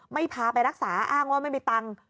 พาไปรักษาอ้างว่าไม่มีตังค์